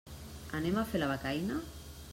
Anem a fer la becaina?